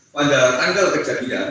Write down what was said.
pada tanggal kejadian